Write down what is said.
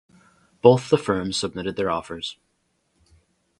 Both the firms submitted their offers.